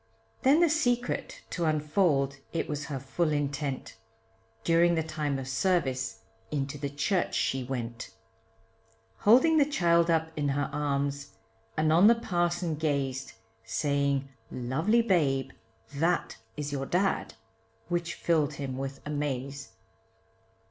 Then the secret to unfold, it was her full intent, During the time of service into the church she went, Holding the child up in her arms, and on the parson gazed, Saying, lovely babe, that is your dad, which filled him with amaze.